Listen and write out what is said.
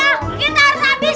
ayah makanannya semuanya enak nih